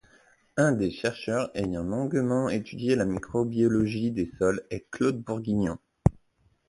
Un des chercheurs ayant longuement étudié la microbiologie des sols est Claude Bourguignon.